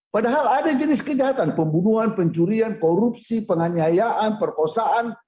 padahal ada jenis kejahatan pembunuhan pencurian korupsi penganyayaan perkosaan